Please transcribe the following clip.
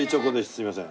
すみません。